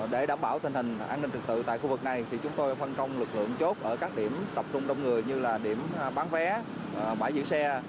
để đảm bảo tình hình an ninh trực tự tại khu vực này thì chúng tôi phân công lực lượng chốt ở các điểm tập trung đông người như là điểm bán vé bãi giữ xe